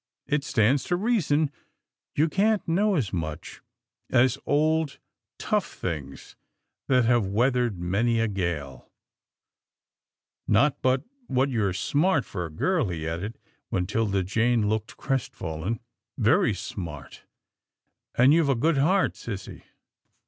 It stands to reason you can't know as much as old, tough things that have weathered many a gale — not but what you're smart 190 'TILDA JANE'S ORPHANS for a girl," he added, when 'Tilda Jane looked crestfallen, " very smart, and you've a good heart, sissy.